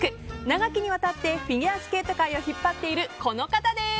長きにわたってフィギュアスケート界を引っ張っているこの方です。